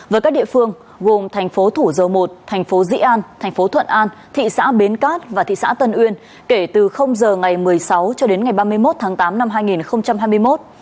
với các địa phương gồm thành phố thủ dầu một thành phố dĩ an thành phố thuận an thị xã bến cát và thị xã tân uyên kể từ giờ ngày một mươi sáu cho đến ngày ba mươi một tháng tám năm hai nghìn hai mươi một